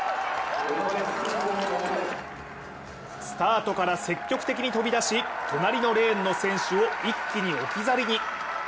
スタートから積極的に飛び出し、隣のレーンの選手を一気に置き去りに。